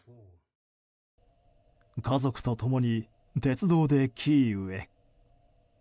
家族と共に鉄道でキーウへ。